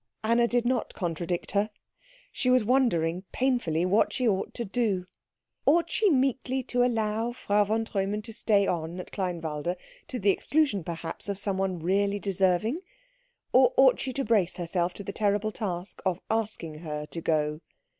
Anna did not contradict her. She was wondering painfully what she ought to do. Ought she meekly to allow Frau von Treumann to stay on at Kleinwalde, to the exclusion, perhaps, of someone really deserving? Or ought she to brace herself to the terrible task of asking her to go?